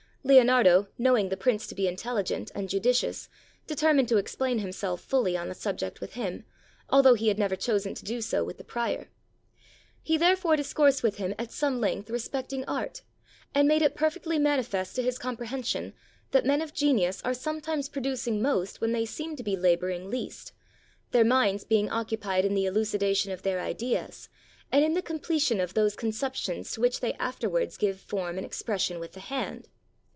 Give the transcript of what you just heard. Leonardo, knowing the Prince to be intelUgent and judicious, determined to explain him self fully on the subject with him, although he had never chosen to do so with the Prior. He therefore discoursed with him at some length respecting art, and made it per fectly manifest to his comprehension, that men of genius are sometimes producing most when they seem to be laboring least, their minds being occupied in the eluci dation of their ideas, and in the completion of those con ceptions to which they afterwards give form and expres sion with the hand.